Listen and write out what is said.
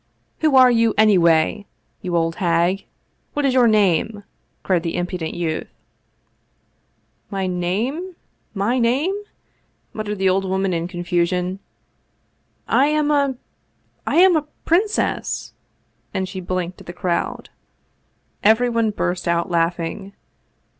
" Who are you, anyway, you old hag ? What is your name ?" cried the impudent youth. " My name ? My name ?" muttered the old woman in confusion. " I am a I am a princess," and she blinked at the crowd. Everyone burst out laughing.